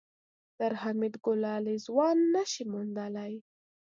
تر حميد ګلالی ځوان نه شې موندلی.